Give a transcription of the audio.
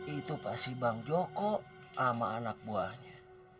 itu pasti bang joko sama anak buahnya